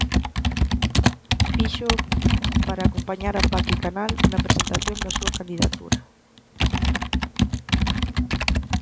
Fíxoo para acompañar a Paqui Canal na presentación da súa candidatura.